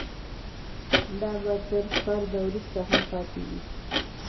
دا به تر فرد وروسته هم پاتې وي.